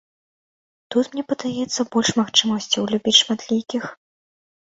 Тут, мне падаецца, больш магчымасцяў любіць шматлікіх.